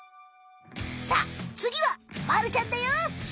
さあつぎはまるちゃんだよ！